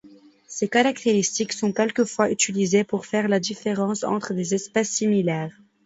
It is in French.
Ses caractéristiques sont quelquefois utilisées pour faire la différence entre des espèces similaires.